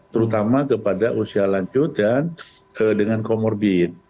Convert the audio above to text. terutama kepada usia lanjut dan dengan comorbid